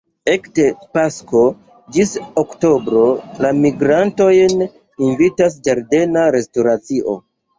Ekde pasko ĝis oktobro la migrantojn invitas ĝardena restoracio.